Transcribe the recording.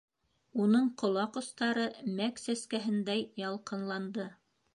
Уның ҡолаҡ остары мәк сәскәһендәй ялҡынланды.